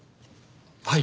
はい。